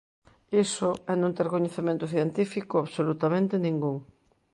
Iso, é non ter coñecemento científico absolutamente ningún.